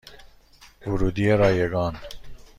ورودی رایگان